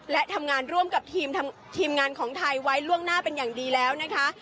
และทำงานร่วมกับทีมงานของไทยไว้ล่วงหน้าเป็นอย่างดีแล้วนะคะ